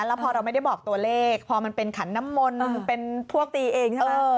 แล้วพอเราไม่ได้บอกตัวเลขพอมันเป็นขันน้ำมนต์เป็นพวกตีเองใช่ไหม